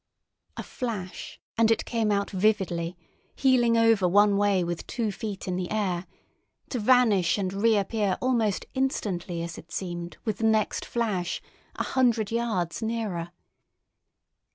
A flash, and it came out vividly, heeling over one way with two feet in the air, to vanish and reappear almost instantly as it seemed, with the next flash, a hundred yards nearer.